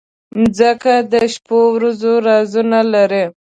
مځکه د شپو ورځو رازونه لري.